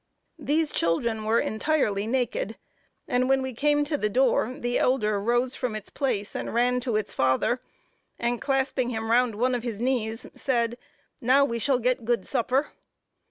These children were entirely naked, and when we came to the door, the elder rose from its place and ran to its father, and clasping him round one of his knees, said, "Now we shall get good supper."